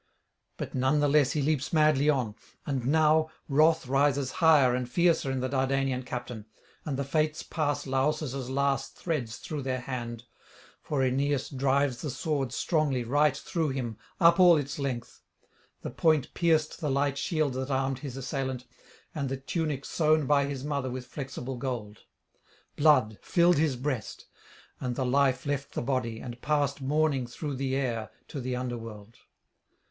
But none the less he leaps madly on; and now wrath rises higher and fiercer in the Dardanian captain, and the Fates pass Lausus' last [815 849]threads through their hand; for Aeneas drives the sword strongly right through him up all its length: the point pierced the light shield that armed his assailant, and the tunic sewn by his mother with flexible gold: blood filled his breast, and the life left the body and passed mourning through the air to the under world.